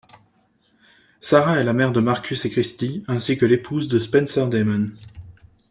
Sarah est la mère de Marcus et Kristy, ainsi que l'épouse de Spencer Damon.